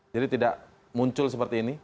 jadi tidak muncul seperti ini